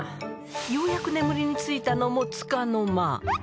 ようやく眠りについたのもつかの間。